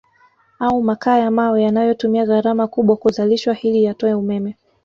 Au makaa ya mawe yanayotumia gharama kubwa kuzalishwa hili yatoe umeme